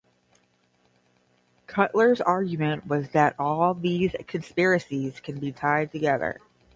Cutler's argument was that all these conspiracies can be tied together.